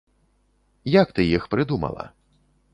Як ты іх прыдумала?